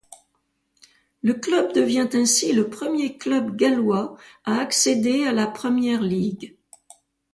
Le club devient ainsi le premier club gallois à accéder à la Premier League.